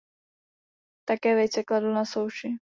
Také vejce kladl na souši.